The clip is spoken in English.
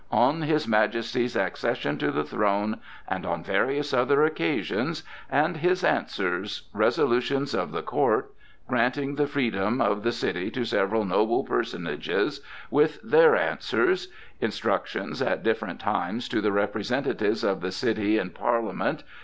On his Majesty's Accession to the Throne, And on various other Occasions, and his Answers, Resolutions of the Court, Granting the Freedom of the City to several Noble Personages; with their Answers, Instructions at different Times to the Representatives of the City in Parliament.